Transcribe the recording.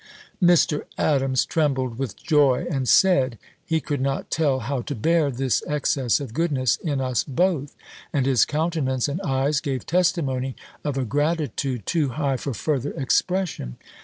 Mr. Adams trembled with joy, and said, he could not tell how to bear this excess of goodness in us both: and his countenance and eyes gave testimony of a gratitude too high for further expression.